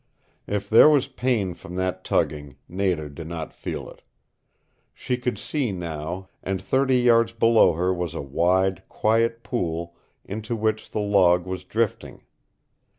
If there was pain from that tugging, Nada did not feel it. She could see now, and thirty yards below her was a wide, quiet pool into which the log was drifting.